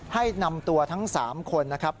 ให้นำตัวทั้ง๓คนนะครับ